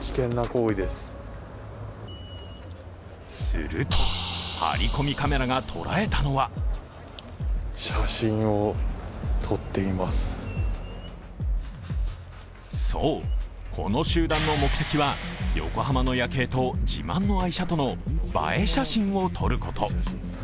すると、ハリコミカメラが捉えたのはそう、この集団の目的は、横浜の夜景と自慢の愛車との映え写真を撮ること。